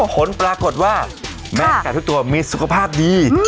ผลปรากฏว่าแมงไก่ทุกตัวมีสุขภาพดี